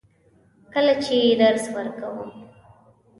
کله چې درس ورکوم.